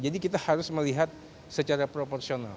jadi kita harus melihat secara proporsional